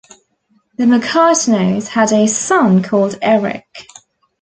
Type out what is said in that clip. The Macartneys had a son called Eric.